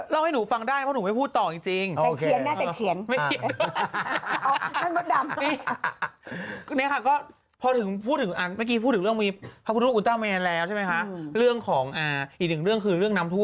ให้หนูฟังได้เพราะหนูไม่พูดต่อจริง